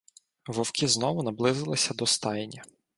Вовки знову наблизилися до стайні.